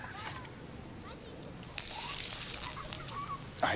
はい。